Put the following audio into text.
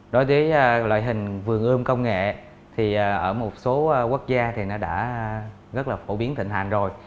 đối với loại hình vườn ươm công nghệ thì ở một số quốc gia thì nó đã rất là phổ biến thịnh hàn rồi